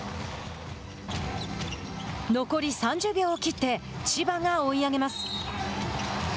残り３０秒を切って千葉が追い上げます。